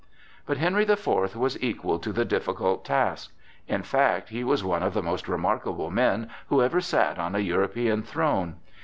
But Henry the Fourth was equal to the difficult task. In fact, he was one of the most remarkable men who ever sat on a European throne.